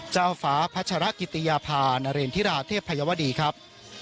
เจ้าฝาพระชรกิติยาพานเรนธิราชเทพยวดีครับ